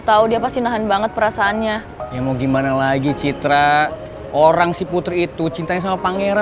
gue pengen mengungkapin semuanya